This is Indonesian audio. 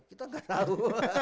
kita nggak tahu